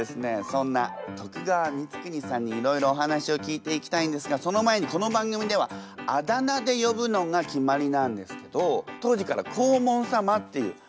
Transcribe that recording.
そんな徳川光圀さんにいろいろお話を聞いていきたいんですがその前にこの番組ではあだ名でよぶのが決まりなんですけどハハッ